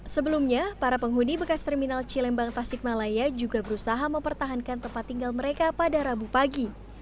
sebelumnya para penghuni bekas terminal cilembang tasikmalaya juga berusaha mempertahankan tempat tinggal mereka pada rabu pagi